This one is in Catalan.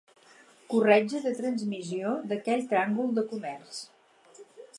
Corretja de transmissió, d'aquell tràngol de comerç